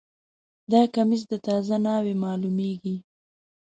دا کمیس د تازه ناوې معلومیږي